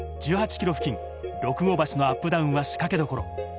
１８ｋｍ付近、六郷橋のアップダウンは仕掛けどころ。